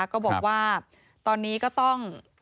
ก็บอกว่าตอนนี้ก็ต้อง